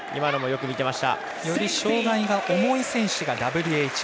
より障がいが重い選手がＷＨ１。